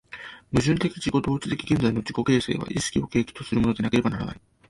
矛盾的自己同一的現在の自己形成は意識を契機とするものでなければならない。